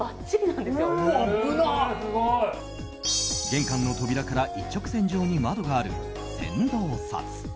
玄関の扉から一直線上に窓がある穿堂さつ。